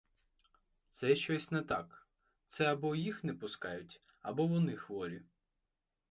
Це щось не так, це або їх не пускають, або вони хворі.